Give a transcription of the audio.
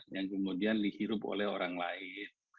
yang kemudian dihirup oleh orang lain